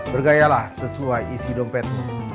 bergayalah sesuai isi dompet